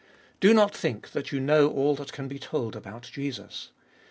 2. Do not think that you know all that can be told about Jesus.